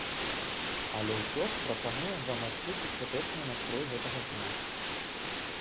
Але ўсё ж прапануем вам адчуць і святочны настрой гэтага дня.